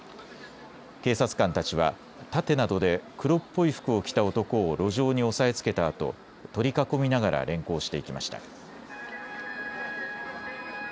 警察官たちは盾などで黒っぽい服を着た男を路上に押さえつけたあと取り囲みながら連行していきました。